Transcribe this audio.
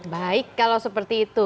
baik kalau seperti itu